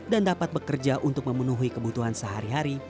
dan dapat bekerja untuk memenuhi kebutuhan sehari hari